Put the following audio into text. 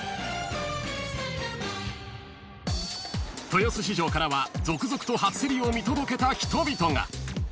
［豊洲市場からは続々と初競りを見届けた人々が］